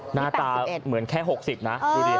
หน้าตาเหมือนแค่๖๐นะดูดิ